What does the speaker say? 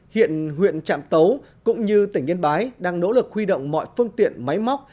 hiện huyện trạm tấu cũng như tỉnh yên bái đang nỗ lực huy động mọi phương tiện máy móc